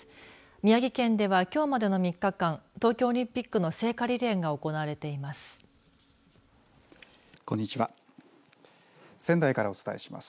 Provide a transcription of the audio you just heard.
宮城県では、きょうまでの３日間東京オリンピックの聖火リレーが行われています。